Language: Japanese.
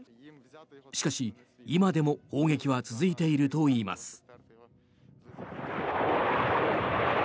しかし、今でも砲撃は続いているといいます。